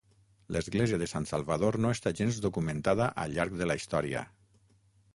L'església de Sant Salvador no està gens documentada al llarg de la història.